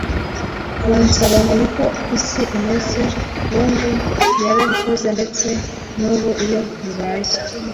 bansaba ngo niko isi imeze we ngo yarabikoze ndetse n'ubu iyo bibaye